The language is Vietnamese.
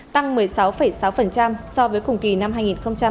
tăng một mươi sáu sáu so với cùng kỳ năm hai nghìn hai mươi ba